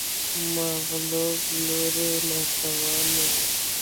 مغلوب لوری ناتوان و